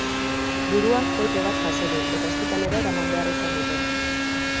Buruan kolpe bat jaso du eta ospitalera eraman behar izan dute.